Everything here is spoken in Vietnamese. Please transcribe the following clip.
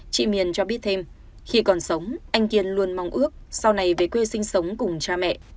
chị miền cho biết thêm khi còn sống anh kiên luôn mong ước sau này về quê sinh sống cùng cha mẹ